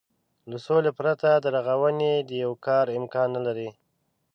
له سولې پرته د رغونې يو کار امکان نه لري.